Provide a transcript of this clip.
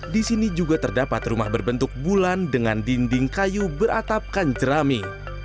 di sini juga terdapat rumah berbentuk bulan dengan dinding kayu beratapkan jerami